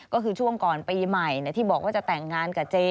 ก็คือช่วงก่อนปีใหม่ที่บอกว่าจะแต่งงานกับเจ